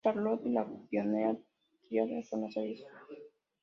Charlotte y la Piamonte tríada son las áreas metropolitanas más grandes en la diócesis.